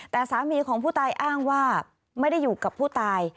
แต่สามีของผู้ตายอ้างว่าไม่ได้อยู่กับผู้ตาย